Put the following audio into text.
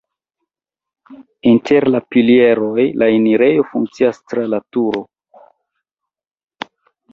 Inter la pilieroj la enirejo funkcias tra la turo.